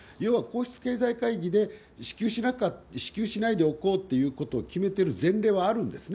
要は皇室経済会議で支給しないでおこうということを決めてる前例はあるんですね。